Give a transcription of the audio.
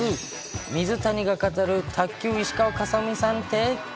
水谷が語る卓球、石川佳純さんって？